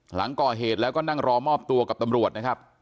หลังก่อเหตุแล้วก็นั่งรอมอบตัวกับตำรวจนะครับ